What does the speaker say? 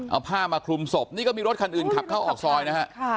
เอาผ้ามาคลุมศพนี่ก็มีรถคันอื่นขับเข้าออกซอยนะฮะ